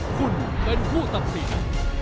คุณเป็นผู้ตัดสิน